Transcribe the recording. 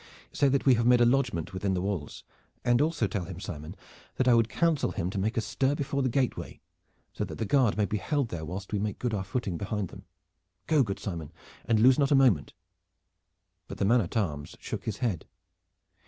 Say that we have made a lodgment within the walls. And tell him also, Simon, that I would counsel him to make a stir before the gateway so that the guard may be held there whilst we make good our footing behind them. Go, good Simon, and lose not a moment!" But the man at arms shook his head.